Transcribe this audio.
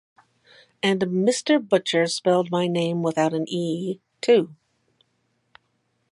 And Mr. Butcher spelled my name without an e, too.